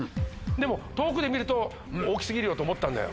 でも遠くで見ると大き過ぎるよと思ったんだよ。